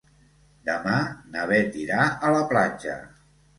Demà na Beth irà a la platja.